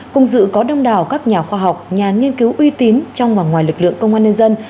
cùng dự có đông đảo các nhà khoa học nhà nghiên cứu uy tín trong và ngoài lực lượng công an nhân dân